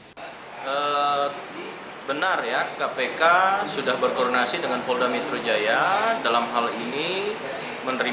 mereka akan melakukan pendalaman dan koordinasi dengan pak intel kamori